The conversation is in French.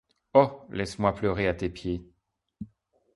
Oh! laisse-moi pleurer à tes pieds !